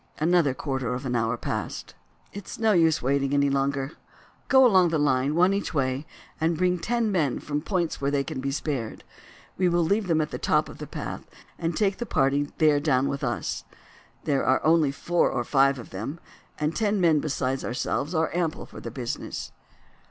Another quarter of an hour passed. "It is no use waiting any longer. Go along the line, one each way, and bring ten men from points where they can be spared. We will leave them at the top of the path and take the party there down with us. There are only four or five of them, and ten men besides ourselves are ample for the business."